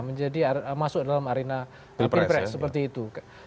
menjadi masuk dalam arena di press seperti itu